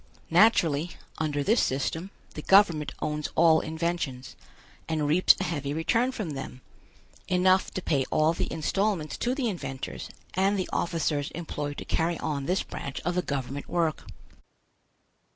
Naturally, under this system, the government owns all inventions, and reaps a heavy return from them, enough to pay all the installments to the inventors and the officers employed to carry on this branch of the government work.